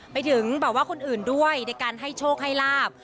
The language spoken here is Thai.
ไปถึงแบบว่าคนอื่นด้วยในการให้โชคให้ลาบ